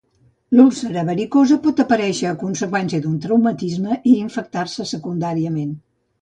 L'úlcera varicosa pot aparèixer a conseqüència d'un traumatisme i infectar-se secundàriament.